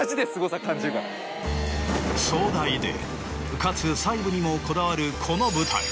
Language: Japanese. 壮大でかつ細部にもこだわるこの舞台。